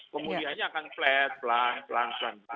kemudiannya akan flat pelan pelan pelan